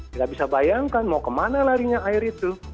kita bisa bayangkan mau kemana larinya air itu